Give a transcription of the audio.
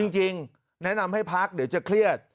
จริงแนะนำให้พักเดี๋ยวจะเครียด